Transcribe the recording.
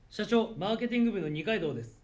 マーケティング部の二階堂です。